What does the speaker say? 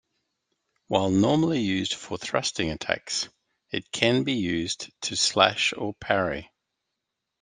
While normally used for thrusting attacks, it can be used to slash or parry.